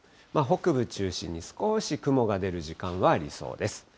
北部中心に少し雲が出る時間はありそうです。